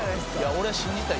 「俺は信じたい。